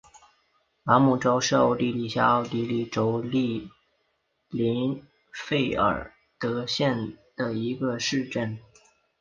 拉姆绍是奥地利下奥地利州利林费尔德县的一个市镇。